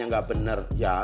ya ada kayak gitu penguasanya